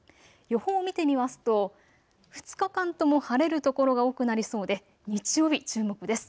予報を見てみますと２日間とも晴れる所が多くなりそうで日曜日、注目です。